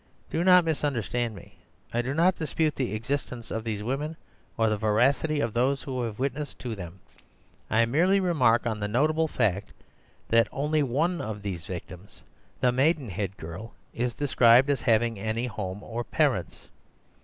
Do not misunderstand me. I do not dispute the existence of these women, or the veracity of those who have witnessed to them. I merely remark on the notable fact that only one of these victims, the Maidenhead girl, is described as having any home or parents.